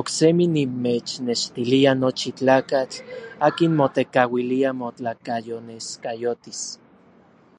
Oksemi nimechnextilia nochi tlakatl akin motekauilia motlakayoneskayotis.